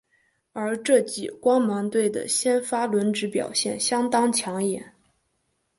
而这季光芒队的先发轮值表现相当抢眼。